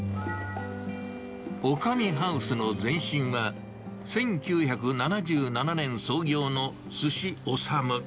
オカミハウスの前身は、１９７７年創業の寿司おさむ。